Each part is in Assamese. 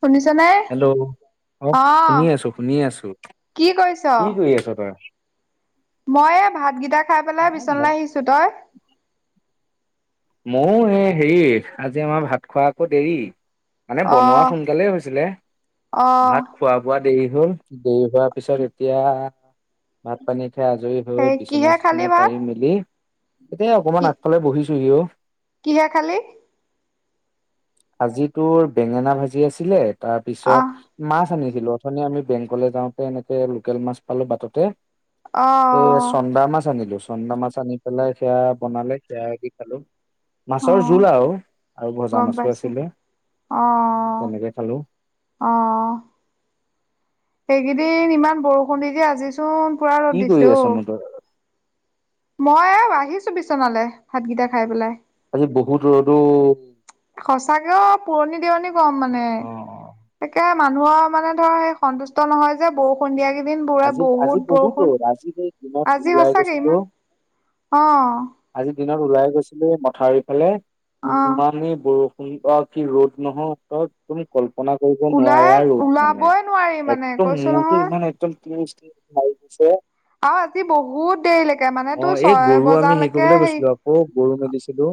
শুনিছা নে? হেল্ল' অ', শুনি আছো শুনি আছো, কি কৰিছ? কি কৰি আছ তই? মই এই ভাতকেইটা খাই পেলাই বিচনালৈ আহিছো, তই? ময়ো এই হেৰি আজি আমাৰ ভাত খোৱা আকৌ দেৰি। মানে বনোৱা অ', সোনকালেই হৈছিলে অ', ভাত। খোৱা-বোৱা দেৰি হ'ল দেৰি হোৱাৰ পিছত এতিয়া ভাত-পানী খাই আজৰি সেই কিহে খালি বিচনা-চিচনা ভাত? পাৰি মেলি, এতিয়া কি অকমান আগফালে বহিছোহি অ'। কিহে খালী? আজি তোৰ বেঙেনা ভাজি আছিলে, আহ, তাৰপিছত মাছ আনিছিলো, অথনি আমি বেংকলে যাওঁতে এনেকে লোকেল মাছ পালো বাটতে। এ অ', চন্দা মাছ আনিলো, চন্দা মাছ আনি পেলাই সেয়া বনালে সেয়া দি খালো। মাছৰ অ', জোল আৰু আৰু ভজা গম মাছো পাইছো। আছিলে অ', তেনেকে খালো। অ'। এইকেইদিন ইমান বৰষুণ দি দি আজিচোন পুৰা কি ৰ'দ কৰি দিছে অ'। আছনো তই মই এ আহিছো বিচনালে ভাতকেইটা খাই পেলাই। আজি বহুত ৰ'দ অ'। সঁচাকেও পুৰণি দিয়নি গৰম মানে, অ', তাকে মানুহৰ মানে ধৰ সেই সন্তুষ্ট নহয় যে বৰষুণ দিয়া কেইদিন পুৰা আজি আজি বহুত বৰষুণ, ৰ'দ আজি এই দিনত আজি ওলাই সচাকে ইমান অ'। আজিৰ দিনত ওলাই গৈছিলো মথাউৰি ফালে, অ', ইমানেই বৰষু কি আ কি ৰ'দ নহয়। তুমি কল্পনা কৰিব ওলাই নোৱাৰাৰ ৰ'দ মানে, ওলাবই নোৱাৰি মানে একদম কৈছো মোৰটো নহয়। ইমান একদম বিষাইছে। আৰু আজি বহুত দেৰিলৈকে মানে তোৰ এই ছয় গৰু আমি হেৰি বজালৈকে কৰিবলৈ হেৰি। গৈছিলো অ', গৰু মেলিছিলো।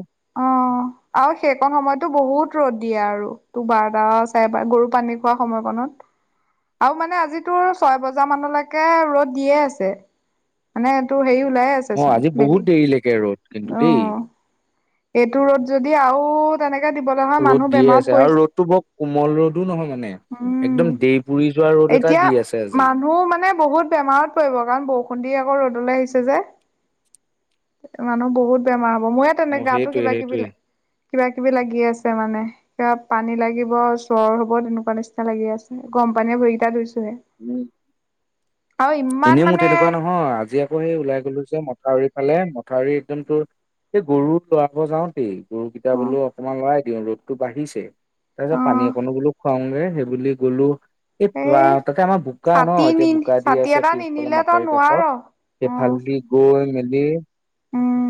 অ'। আৰু সেইকণ সময়তো বহুত ৰ'দ দিয়ে আৰু তোৰ বাৰটা চাৰেবাৰ গৰু পানী খোৱা সময়কনত। আৰু মানে আজি তোৰ ছয় বজা মানলৈকে ৰ'দ দিয়ে আছে। মানে তোৰ হেৰি ওলাইয়ে আছে। অ', আজি বহুত দেৰিলৈকে ৰ'দ কিন্তু দেই। অ'। এইটো ৰ'দ যদি আৰু তেনেকে দিবলৈ হয়। ৰ'দ মানুহ দিয়ে বেমাৰত আছে আৰু পৰিছে ৰ'দটো বৰ কোমল ৰ'দো নহয় মানে। উম একদম দেই পুৰি যোৱা ৰ'দ এটা এতিয়া দি আছে আজি। মানুহ মানে বহুত বেমাৰত পৰিব কাৰণ বৰষুণ দি আকৌ ৰ'দলৈ আহিছে যে। মানুহ বহুত বেমাৰ হ'ব মোৰে অ তেনে গাটো সেইটোৱে কিবা কিবি সেইটোৱে লে কিবা কিবি লাগি আছে মানে। কিবা পানী লাগিব জ্বৰ হ'ব তেনেকুৱা নিচিনা লাগি আছে গৰম পানীয়ে ভৰিকেইটা ধুইছোহে। উম। আৰু ইমান এনেই মোৰ মানে তেনেকুৱা নহয় আজি আকৌ সেই ওলাই গলো যে মথাউৰি ফালে মথাউৰি একদম তোৰ এই গৰু ল'ৰাব যাওঁতেই গৰুকেইটা অ বোলো অকমান লৰাই দিওঁ ৰ'দটো বাঢ়িছে। তাৰ পিছত অ পানী অকনো বোলো খুৱাওঁগে সেইবুলি গলো। এই বা তাতে আমাৰ বোকা ন ছাতি এতিয়া নি বোকা দি ছাতি আছে এটা পিছফালে নিনিলে তই মাথাউৰিৰ নোৱাৰ কাষত অ সেইফাল গৈ মেলি। উম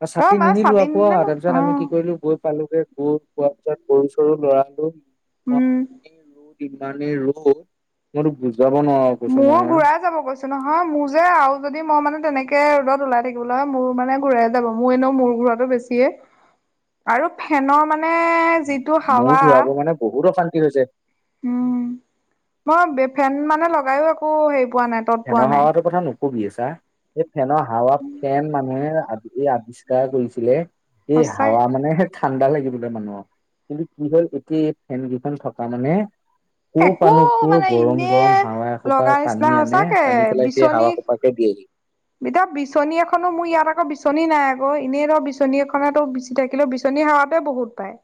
[unintelligible] অ ছাতি মা নিনিলোঁ আকৌ নিলে ন তাৰ পিছত আমি কি অ কৰিলো গৈ পালোগে গৈ পোৱা পিছত গৰু চৰো ল'ৰালো উম [unintelligible] ইমানেই ৰ'দ মই তোক বুজাব নোৱাৰো। কৈছো মোৰো নহয় ঘূৰাই যাব কৈছো কৈছো নহয় মোৰ যে আৰু যদি মই মানে তেনেকে ৰ'দ ওলাই থাকিবলৈ হয় মূৰ মানে ঘূৰায় যাব মোৰ এনেও মূৰ ঘুৰোৱাতো বেছি। দিয়ে আৰু ফেনৰ মানে যিটো মোৰ হাৱা ঘূৰাৱ মানে বহুত অশান্তি হৈছে। উম মই ফেন মানে লগাইও একো হেৰি পোৱা নাই। তত পোৱা ফেনৰ নাই হাৱাটোৰ কথা নকবি চা এই ফেনৰ হাৱা ফেন মানুহে আ এই আৱিষ্কাৰ কৰিছিলে এই সঁচাই হাৱা মানে ঠাণ্ডা লগিবলে মানুহৰ কিন্তু কি হ'ল এতিয়া এই ফেন কেইখন থকা মানে ক'ৰ একো পাৰানো ক'ৰ মানে গৰম এনে গৰম হাৱা এসোপা লগা নিচিনা টানি আনে। সঁচাকে টানি পেলাই সেই বিচনী হাৱা সোপাকে দিয়েহি। এতিয়া বিচনী এখনো মোৰ ইয়াত আকৌ বিচনী নাই আকৌ এনেই ধৰ বিচনী বিচনী এখনাতো বিচি থাকিলেও বিচনী হাৱা টোৱে বহুত পায়।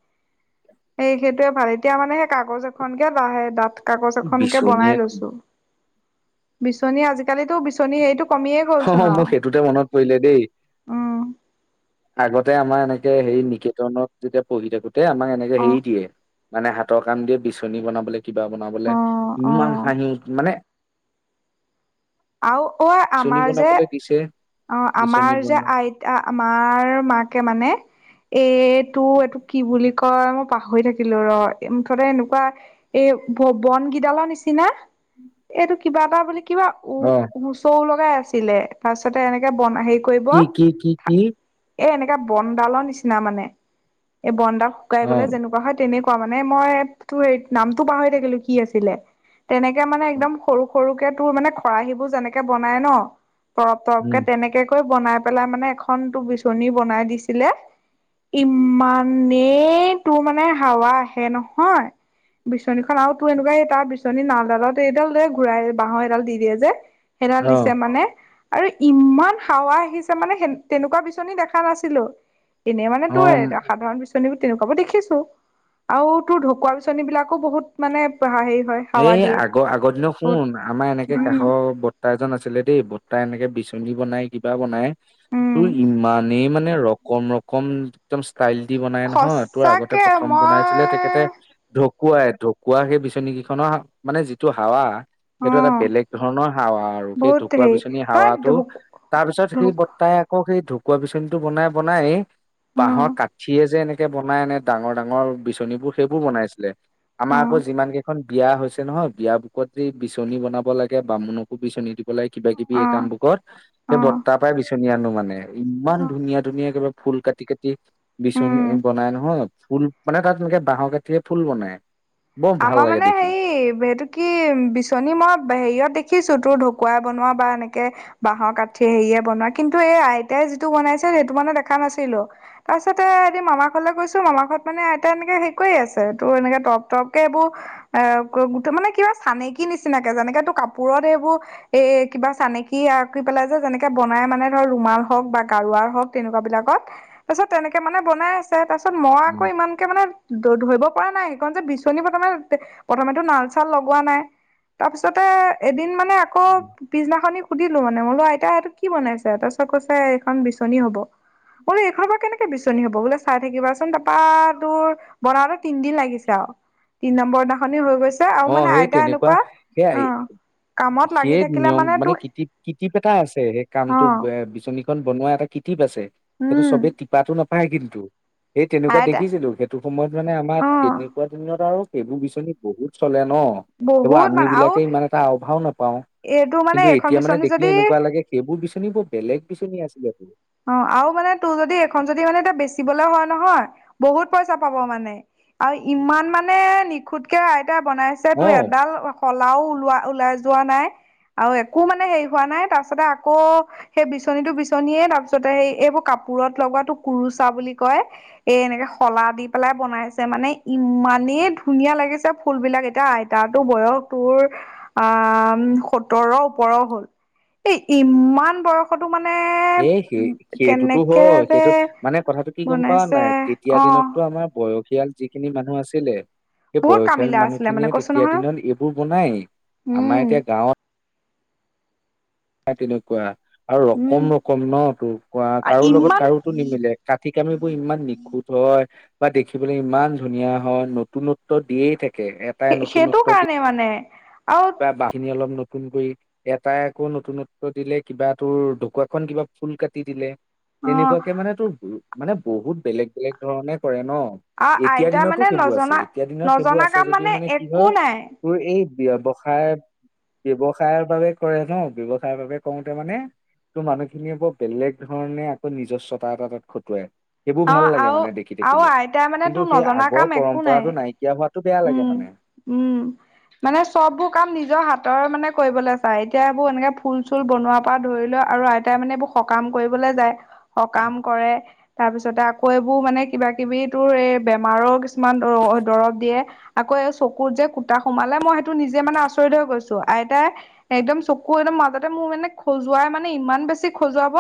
এই সেইটোয়ে ভাল এতিয়া মানে সেই কাগজ এখনকে লাহে ডাঠ কাগজ এখনকে বনাই বিচনীয়ে লৈছো বিচনী আজিকালিতো বিচনী হেৰিটো কমিয়ে হ গ'লচোন অ' আও মই সেই দুটা মনত পৰিলে দেই উম আগতে আমাৰ এনেকে হেৰি নিকেটনক যেতিয়া পঢ়ি থাকোতে আমাক এনেকে অ হেৰি দিয়ে মানে হাতৰ কাম দিয়ে বিচনী বনাব লাগিব। কিবা বনাবলে অ অ ইমান হাঁহি মানে আৰু অ' বিচনী আমাৰ যে বনাবলে দিছে অ- বিচনী আমাৰ যে বনা আইত এ আমাৰ মাকে মানে এ টো এইটো কি বুলি কয় মই পাহৰি থাকিলো ৰ মুঠতে এনেকুৱা এই ব- বন গিদালৰ নিচিনা এইটো কিবা এটা বুলি কিবা অ' মুচৌ লগাই আছিলে তাৰ পিছতে এনেকে বন হেৰি কৰিব। কি কি কি কি [unintelligible] এ এনেকা বনডালৰ নিচিনা মানে এই বনডাল শুকাই অ গলে যেনেকুৱা হয় তেনেকা। মানে মই তোৰ নামতটো পাহৰি থাকিলো কি আছিলে তেনেকে মানে একদম সৰু। সৰুকে তোৰ মানে খৰাহী বোৰ যেনেকে বনাই ন তৰব তৰপকে উম তেনেকে। তোৰ বনাই পেলাই মানে এখন তটো বিচনী বনাই দিছিলে। ইমানেই তোৰ মানে হাৱা আহে নহয়। বিচনীখনন আৰু তোৰ এনেকুৱা তাৰ বিচনী নালডালত এইডাল লে ঘূৰাই বাঁাহৰ এডাল দি বিচনীখনন আৰু তোৰ এনেকুৱা তাৰ অ বিচনী নালডালত এইডাল লে ঘূৰাই বাঁহৰ এডাল দি দিয়ে যে সেই ডাল দিছে মানে। আৰু ইমান হাৱা আহিছে মানে সে তেনেকুৱা বিচনী দেখা নাছিলো। এনেই মানে অ তোৰ সাধাৰণ বিচনী নী তেনেকুৱাবো দেখিছো আৰু তোৰ ঢকুৱা বিচনী বিলাকো বহুত মানে হেৰি হয়। হাৱা এই দিয়ে। আগৰ আগৰ দিনত বহুত শুন আমাৰ এনেকে উম কাষৰ বৰ্তা বৰ্তা এজন আছিলে দেই বৰ্তাই এনেকে বিচনী বনাই কিবা বনাই। উম। তোৰ ইমানেই মানে ৰকম ৰকম একদম ষ্টাইল দি বনাই নহয় তোৰ আগতে সঁচাকে প্ৰথম বনাইছিলে তেখেতে মই ঢকুৱাই। ঢকুৱা সেই বিচনীকেইখনৰ মানে যিটো হাৱা অ সেইটো এটা বেলেগ ধৰণৰ হাৱা আৰু সেই বহুত ঢুকুৱা হেৰি বিচনীৰ নহয় ঢ হাৱাটো। তাৰ পিছত সেই ঢকুৱা বৰ্তাই আকৌ সেই ঢকুৱা বিচনীটো বনাই বনাই আমাৰ বাঁাহৰ কাঠিয় যে এনেকে [inaudible] তাৰ পিছত সেই তাৰপিছত সেই বৰ্তাই আকৌ সেই ঢকুৱা বিচনীটো বনাই বনাইয়ে বাঁহৰ কাঠিয় যে এনেকে বনাই ইনে ডাঙৰ ডাঙৰ বিচনীবোৰ সেইবোৰ বনাইছিলে। আমাৰ আকৌ যিমান কে ইখন বিয়া হৈছে নহয় বিয় বোকত যে এই বিচনী বনাব লাগে, বামুণকো বিচনী দিব লাগে কিবা কিবি এই কামবোকত সেই বৰ্তাৰ পাইয়ে বিচনী আনো মানে ইমান ধুনীয়া ধুনীয়া কিবা ফুল কাটি কাটি বিচনী বনাই নহয় ফুল। মানে তাত এনেকে বাঁহৰ কাঠিয়ে ফুল বনায়। আমাৰ মানে হেৰি এইটো কি বিচনী মই হেৰিয়ত দেখিছো তোৰ ঢকুৱাই বনোৱা বা এনেকে বাঁহৰ কাঠিয়ে হেৰিয়ে বনোৱা কিন্তু এই আইতাই যিটো বনাইছিল সেইটো মানে দেখা নাছিলো। তাৰপিছতে এদিন মামা ঘৰলে গৈছো মামা ঘৰত মানে আইতাই এনেকে হেৰি কৰি আছে তোৰ এনেকে টৰপ টৰপ কে এইবোৰ এ মানে কিবা চানেকি নিচিনাকে যেনেকে তোৰ কাপোৰত এইবোৰ এ কিবা চানেকি আঁকি পেলাই যে যেনেকে বনাই মানে ধৰ ৰুমাল হওঁক বা গাৰুৱাৰ হওঁক তেনেকুৱা বিলাকত তাৰপিছত তেনেকে মানে বনাই আছে তাৰপিছত মই আকৌ উম, ইমানকে মানে ধৰিব পৰা নাই সেইখন যে বিচ নী বনাব। প্ৰথমেটো নাল-চাল লগোৱা নাই তাৰপিছতে এদিন মানে আকৌ পিছদিনাখনি সুধিলো মানে মই বোলো আইতা এইটো কি বনাইছে? তাৰপিছত কৈছে এইখন বিচনী হ'ব। মই বোলো এইখনৰ পৰা কেনেকে বিচনী হ'ব? বোলে চাই থাকিবাচোন তাৰপা তোৰ বনাওঁতে তিনদিন লাগিছে আও। তিন নম্বৰ দিনাখনি হৈ গৈছে আৰু অ মানে সেই আইতা তেনেকুৱা এনেকুৱা সে আই অ কামত লাগি সেই থাকিলে নিয়ম মানে তোৰ কিটিপ কিটিপ এটা আছে সেই অ কামটো বে বিচনী খন বনোৱা এটা কিটিপ আছে সেইটো উম চবে টিপাটো নাপায় কিন্তু। সেই তেনেকুৱা আইতা দেখিছিলো সেইটো সময়ত মানে আমাৰ অ তেনেকুৱা দিনত আৰু সেইবোৰ বিচনী বহুত চলে ন সেইবোৰ বহুত আমি মানে বিলাকে আৰু ইমান এটা আও-ভাও নেপাওঁ। এইটো মানে কিন্তু এখন এতিয়া মানে বিচনী দেখিলে যদি এনেকুৱা লাগে সেইবোৰ বিচনী বৰ বেলেগ বিচনী আছিলে বোলো। অ, আৰু মানে তোৰ যদি এইখন যদি মানে এতিয়া বেচিবলৈ হয় নহয় বহুত পইচা পাব মানে। আৰু ইমান মানে নিখুতকে আইতাই বনাইছে তোৰ অ' এডাল শলাও ওলোৱা ওলাই যোৱা নাই আৰু একো মানে হেৰি হোৱা নাই। তাৰপিছতে আকৌ সেই বিচনীটো বিচনীয়ে তাৰপিছ পিছতে হেৰি এইবোৰ কাপোৰত লগোৱা তোৰ কুৰুচা বুলি কয় এ এনেকে শলা দি পেলাই বনাইছে মানে ইমানেই ধুনীয়া লাগিছে ফুলবিলাক। এতিয়া আইতা টো বয়স তোৰ আ সত্তৰৰ ওপৰৰ হ'ল। এই ইমান বয়সটো মানে এ সেই উম সেইটোটো কেনেকে হয় যে সেইটো মানে কথাটো কি গম পোৱা বনাইছে নাই তেতিয়া অ দিনত তোৰ আমাৰ বয়সীয়াল যিখিনি মানুহ আছিলে সেই বহুত বয়সীয়াল কামিলা আছিলে মানে মানুহখিনিয়ে কৈছো তেতিয়া নহয় দিনত এইবোৰ বনায়ে। আমাৰ উম এতিয়া গাঁৱত তেনেকুৱা আৰু উম ৰকম ৰকম ন তোৰ কাৰো লগত ইমান কাৰোটো নিমিলে কাঠি কামিবোৰ ইমান নিখুঁত। [unintelligible] বা দেখিবলৈ ইমান ধুনীয়া হয় নতুনত্ব দিয়েই থাকে। এ সেইটো কাৰণেই মানে আৰু বা বাহিনি অলপ নতুন কৰি এটাই আকৌ নতুনত্ব দিলে কিবা তোৰ ঢকুৱাখন কিবা ফুল কাটি দিলে। অ তেনেকুৱাকে মানে তোৰ মানে বহুত বেলেগ বেলেগ ধৰণে কৰে ন। আৰু এতিয় আইতা দিনতো মানে সেইবোৰ আছে নজনা এতিয়া দিনত সেইবোৰ নজনা আছে কাম যদিও মানে কি একো হয় নাই তোৰ এই ব্যৱ- ব্যৱসায় ব্যৱসায়ৰ বাবে কৰে ন ব্যৱসায়ৰ বাবে কৰোতে মানে- তো মানুহখিনিয়ে ব বেলেগ ধৰণে আকৌ নিজস্বতা এটা তাত খটুৱাই। সেইবোৰ অ ভাল লাগে আৰু মানে দেখি আৰু থাকিলে আইতাই মানে তোৰ কিন্তু সেই নজনা কাম আগৰ একো পৰম্পৰাতটো নাইকিয়া- বিয়া হোৱাটো বেয়া লাগে মানে। উমঁ মানে চববোৰ কাম নিজৰ হাতৰ মানে কৰিবলৈ যাই- এতিয়া এইবোৰ এনেকে ফুল চুল বনোৱাৰ পৰা ধৰি লোৱা আৰু আইতাই মানে এইবোৰ সকাম কৰিবলৈ যায়। সকাম কৰে তাৰপিছতে আকৌ এইবোৰ মানে কিবা কিবি তোৰ এই বেমাৰৰ- কিছুমান দৰৱ অ দৰৱ দিয়ে। আকৌ চকুত যে কুটা সোমালে মই হেইটো নিজে মানে আচৰিত হৈ গৈছোঁ আইতাই- একদম চকু একদম মাজতে মোৰ মানে খজুৱাই মানে ইমান বেছি খজুৱাব।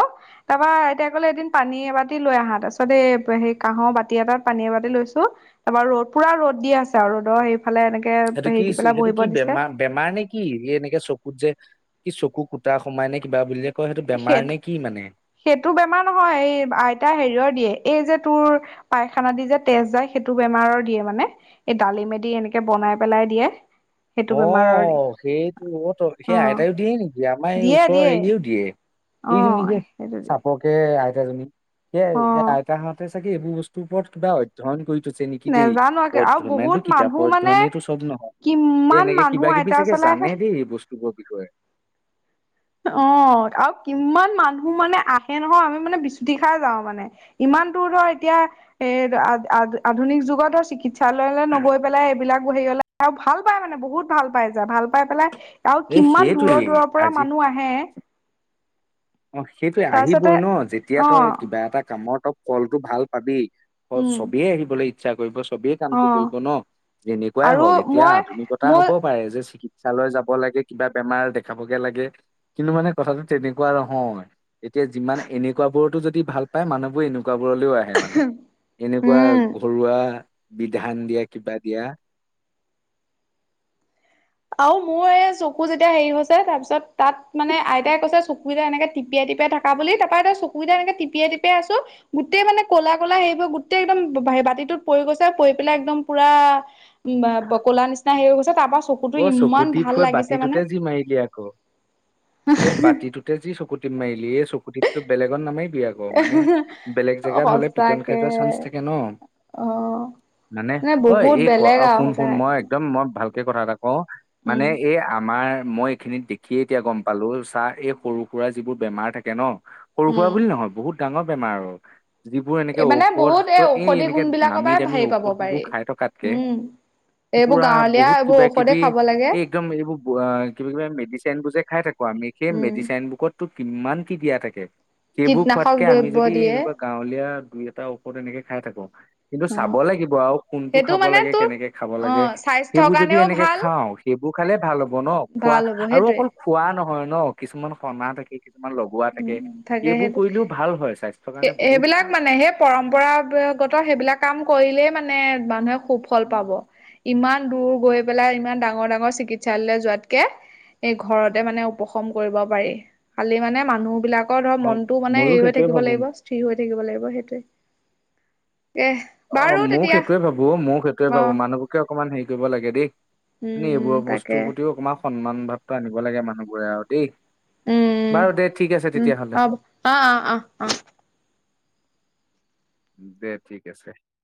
তাৰপা আইতাই ক'লে এদিন পানী এবাতি লৈ আহা তাৰ পিছত এ সে কাঁহৰ বাতি এটাত পানী এবাতি লৈছোঁ। তাৰপা ৰ'দ পুৰা দি আছে আৰু ৰ'দৰ সফালে এনেকে সেইটো কি হেৰি দি পেলাই সেইটো কি বহিব দিছে। বেমাৰ বেমাৰ নে কি এই এনেকে চকুত যে কি চকু কুটা সোমাই নে কিবা বুলিযে- অঁ সেইটো বেমাৰ নে কি মানে? সেইটো বেমাৰ নহয় এই আইতা হেৰিয়ৰ দিয়ে এই যে তোৰ- পায়খানা দি যে তেজ যায় সেইটো বেমাৰৰ দিয়ে মানে। এই দালিমে দি এনেকে বনাই পেলাই দিয়ে। সেইটো বেমাৰৰ অঊ সেইটো অঁ ত অ সেই আইতাইও দিয়ে নেকি আমাৰ এই ওচৰৰ হেৰিয়েও দিয়ে। অ এইজনীজে সেইটো দিয়ে চাপকে আইতাজনী সেই অ আইতা হ'তে- তাকে এইবোৰ বস্তুৰ ওপৰত কিবা হয়ঁ। ধন কৰি থৈছে নেকি এই নেজানো পদ আৰু ধনটো বহুত মানুহ কিতাপৰ মানে ধৰণেই টো চব নহয়। এ কিমান এনেকে মানুহ কিবা কিবি আইতা চাগে ওচৰলে আহে জানে দেই এই বস্তুবোৰৰ বিষয়ে। অঁ আৰু কিমান মানুহ মানে আহে নহয় আমি মানে বিচুতি খাই যাও মানে। ইমান দূৰ ধৰ এতিয়া এ আধুনিক যুগত ধৰ চিকিৎসা- চাৰলৈ নগৈ পেলাই এইবিলাক হেৰি হললে আৰু ভাল পাই মানে বহুত ভাল পাই যায় ভাল পাই পেলাই- আৰু এই কিমান দূৰৰ সেইটোৱেই দূৰৰ পৰা আজি মানুহ আহে। অঁ সেইটোয়ে আহিবই তাৰপিছতে ন যেতিয়া তই অ' কিবা এটা কামত তই ফলটো ভাল পাবি। অঁ উম চবেই আহিবলৈ ইচ্ছা কৰিব চবেই- কামটো অ' কৰিব ন যেনেকুৱাই আৰু হওঁক এতিয়া মই আধুনিকতা মোৰ হ'ব পাৰে যে চিকি- তালৈ যাব লাগে কিবা বেমাৰ দেখাবগে লাগে কিন্তু মানে কথাটো তেনেকুৱা ৰহ। অঁ এতিয়া যিমান এনেকুৱা বোৰতো যদি ভাল পায় মানুহবোৰ এনেকুৱা বোৰলৈও আহে। এ মানে এনেকুৱা উম ঘৰুৱা বিধান দিয়া কিবা দিয়া। আৰু মোৰ এই চকু যেতিয়া হেৰি হৈছে তাৰ পিছ তাত মানে আইতাই কৈছে চকুকিটা এনেকে টিপিয়াই টিপিয়াই থাক। তাৰ বুলি তা পা এ চকুকিটা এনেকে টিপিয়াই টিপিয়াই আছোঁ। গোটেই মানে ক'লা ক'লা সেইবোৰ গোটেই একদম বাতিটোত পৰি গৈছে পৰি পেলাই একদম পুৰা- উমঁ বা ক'লা নিচিনা হেই হৈ গৈছে তাৰ পা চকু - অঁ চকু টিপ হৈ বাতিটোতে যি মাৰিলে আকৌ সেই বাতিটোত। যি চকুটিপ মাৰিলি এই চকুটিপটো বেলেগত নামাৰিবি আক। অঁ মানে বেলেগ জেগাত হ'লে পিটন খাই সঁচাকে যোৱা চান্স থাকে ন। অ মানে ঐ বহুত এই ক বেলেগ আৰু কোন, কোন সঁচাকে মই একদম মই ভাল- কে, কথা এটা কওঁ মানে উম এই আমাৰ মই এইখিনিত দেখি- খিয়ে, এতিয়া গম পালোঁ চা এই সৰু সুৰা যিবোৰ বেমাৰ থাকে ন, সৰু সুৰা উম বুলি নহয় বহুত- ডাঙৰ বেমাৰ আৰু- যিবোৰ এনেকে এই মানে বহুত ঔষধতো এই ঔষধি এনেকে গুণ বিলাকৰ নামী পৰাই দামী হেৰি পাব পাৰি ঔষধবোৰ খাই থকাতকে উম এইবোৰ পুৰা গাঁৱলীয়া বহুত এইবোৰ কিবা ঔষধে কিবি, খাব লাগে এই একদম এইবোৰ আ কিবা কিবি মেডিচেন বোৰ যে খাই থাকোঁ আমি সেই উম মেডিচিন বহুত তো কিমান কি দিয়া থাকে, সেইবোৰ কীটনাশক খোৱাতকে আমি দ্ৰব্য যদি এই দিয়ে এনেকুৱা গাঁৱলীয়া দুই এটা ঔষধ এনেকে খাই থাকো কিন্তু অ চাব লাগিব আও কোনটো সেইটো খাব মানে লাগে তোৰ কেনেকে খাব অ লাগে, স্বাস্থ্যৰ সেইবোৰ যদি কাৰণেও এনেকে ভাল খাঁও, সেইবোৰ খালে ভাল হ'ব ন খোৱা ভাল হ'ব আৰু সেইটোৱে অকল খোৱা নহয় ন কিছুমান সনা থাকে কিছুমান ল লগোৱা, উ থাকে থাকে এইবোৰ সেইটো কৰিলেও ভাল হয়, স্বাস্থ্যৰ কাৰণে বহুত সেইবিলাক ভাল মানে সেই পৰম্পৰাগত সেইবিলাক কাম কৰিলেই মানে মানুহে সুফল পাব ইমান দূৰ গৈ পেলাই ইমান ডাঙৰ, ডাঙৰ চিকিৎসালয়লৈ যোৱাতকে এই ঘৰতে মানে উপশম কৰিব পাৰি খালী মানে মানুহবিলাক আকৌ ধৰ অ মনটো মানে ময়ো হেৰি হৈ সেইটোৱে থাকিব ভাবো লাগিব স্থিৰ হৈ থাকিব লাগিব সেইটোৱে এহ অ' ময়ো সেইটোয়ে ভাবোঁ, ময়ো সেইটোয়ে ভাবোঁ মানুহবোৰকে অকমান হেৰি কৰিব লাগে দেই মানে উম এইবোৰৰ তাকে বস্তুৰ প্ৰতিও অকমান সন্মান ভাৱটো আনিব লাগে মানুহবোৰে আৰু দেই উম বাৰু দে ঠিক আছে উম তেতিয়াহ'লে হ'ব অ অ অ অ দে ঠিক আছে